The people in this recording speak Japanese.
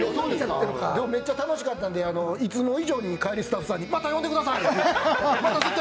めっちゃ楽しかったんでいつも以上に帰りスタッフさんにまた呼んでください！って。